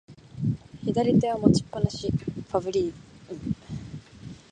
左手は持ちっぱなし、ファズリウ。